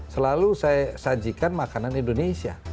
selalu saya sajikan makanan indonesia